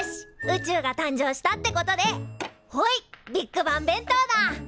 宇宙が誕生したってことでほいビッグバン弁当だ！